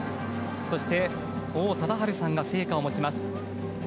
そして、王貞治さんが聖火を持ちます。